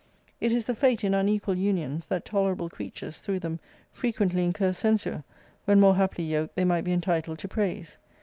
It is the fate in unequal unions, that tolerable creatures, through them, frequently incur censure, when more happily yoked they might be entitled to praise.